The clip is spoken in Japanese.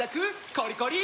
コリコリ！